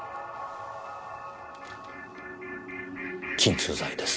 鎮痛剤です。